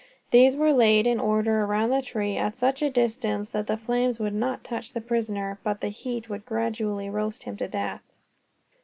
These were laid in order round the tree, at such a distance that the flames would not touch the prisoner, but the heat would gradually roast him to death.